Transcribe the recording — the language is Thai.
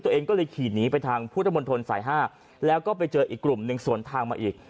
ตัวเองก็เลยขี่หนีไปทางพุทธมนตรสาย๕แล้วก็ไปเจออีกกลุ่มหนึ่งสวนทางมาอีก